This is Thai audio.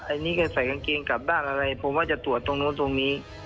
อันนี้แกใส่กางเกงกลับด้านอะไรผมว่าจะตรวจตรงนู้นตรงนี้